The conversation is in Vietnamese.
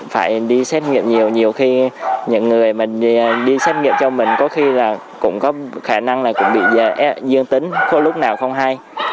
phải đi xét nghiệm nhiều nhiều khi những người mình đi xét nghiệm cho mình có khi là cũng có khả năng là cũng bị dương tính có lúc nào không hay